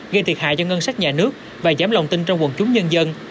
gây thiệt hại cho ngân sách nhà nước và giảm lòng tin trong quần chúng nhân dân